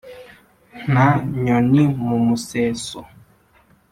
nta nyoni mu museso